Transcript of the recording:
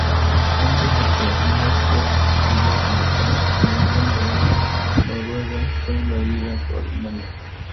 Antes de que Northrop pudiera completar ningún avión, Noruega fue invadida por Alemania.